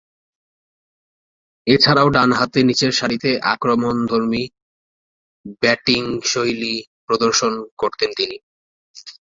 এছাড়াও, ডানহাতে নিচেরসারিতে আক্রমণধর্মী ব্যাটিংশৈলী প্রদর্শন করতেন তিনি।